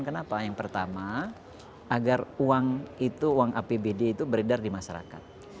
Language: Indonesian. kenapa yang pertama agar uang itu uang apbd itu beredar di masyarakat